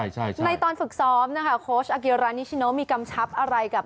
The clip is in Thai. จิกเลยครับ